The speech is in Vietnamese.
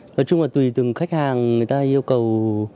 nói chung là tùy từng khách hàng người ta yêu cầu